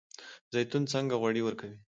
زیتون څنګه غوړي ورکوي؟